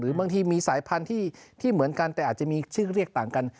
บางทีมีสายพันธุ์ที่เหมือนกันแต่อาจจะมีชื่อเรียกต่างกัน